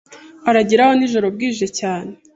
Aragerayo nijoro bwije cyane